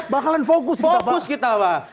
bakalan fokus kita pak